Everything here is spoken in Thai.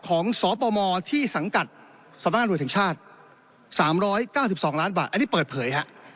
ของสปมที่สังกัดสรทช๓๙๒ล้านบาทอันนี้เปิดเผยครับ